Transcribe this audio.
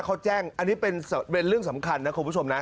เขาแจ้งอันนี้เป็นเรื่องสำคัญนะคุณผู้ชมนะ